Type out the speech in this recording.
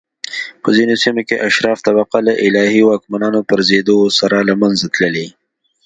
په ځینو سیمو کې اشراف طبقه له الهي واکمنانو پرځېدو سره له منځه تللي